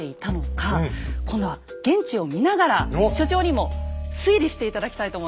今度は現地を見ながら所長にも推理して頂きたいと思います。